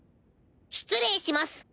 失礼します。